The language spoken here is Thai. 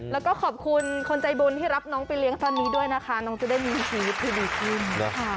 แล้วก็ขอบคุณคนใจบุญที่รับน้องไปเลี้ยงตอนนี้ด้วยนะคะน้องจะได้มีชีวิตที่ดีขึ้นนะคะ